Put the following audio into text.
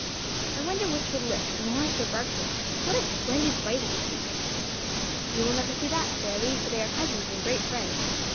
"I wonder which would lick, Norris or Barkley. What a splendid fight it would be!" "You will never see that, Fairlie, for they are cousins and great friends.